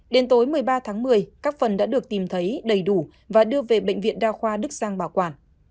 đến tối một mươi ba tháng một mươi các phần đã được tìm thấy đầy đủ và đưa về bệnh viện đa khoa đức giang bảo quản